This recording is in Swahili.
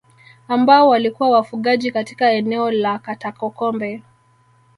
Ambao walikuwa wafugaji katika eneo la Katakokombe